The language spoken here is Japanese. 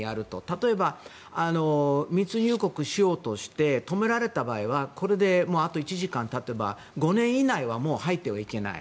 例えば、密入国しようとして止められた場合はこれで、あと１時間経てば５年以内は入ってはいけない。